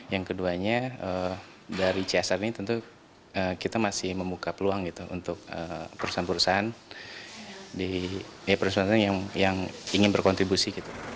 yang keduanya dari csr ini tentu kita masih membuka peluang gitu untuk perusahaan perusahaan yang ingin berkontribusi